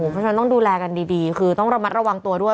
ผู้ชายต้องดูแลกันดีคือต้องระมัดระวังตัวด้วย